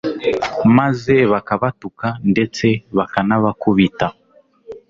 maze bakabatuka ndetse bakanabakubita